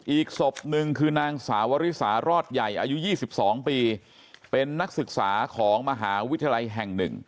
อีกศพหนึ่งคือนางสาวริสารอดใหญ่อายุ๒๒ปีเป็นนักศึกษาของมหาวิทยาลัยแห่ง๑